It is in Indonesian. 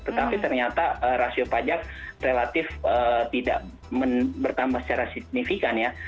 tetapi ternyata rasio pajak relatif tidak bertambah secara signifikan ya